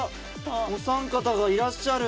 お三方がいらっしゃる。